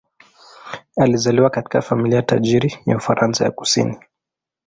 Alizaliwa katika familia tajiri ya Ufaransa ya kusini.